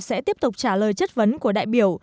sẽ tiếp tục trả lời chất vấn của đại biểu